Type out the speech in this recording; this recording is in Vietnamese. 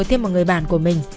thêm một người bạn của mình